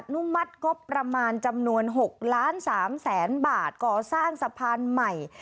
นุมัติงบประมาณจำนวน๖ล้าน๓แสนบาทก่อสร้างสะพานใหม่